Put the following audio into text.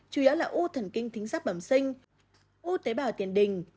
chủ yếu là u thần kinh thính sắp bẩm sinh u tế bào tiền đình